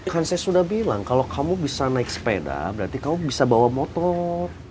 kan saya sudah bilang kalau kamu bisa naik sepeda berarti kamu bisa bawa motor